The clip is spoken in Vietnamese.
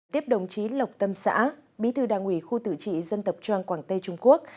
tiếp đồng chí lộc tâm xã bí thư đảng ủy khu tự trị dân tộc trang quảng tây trung quốc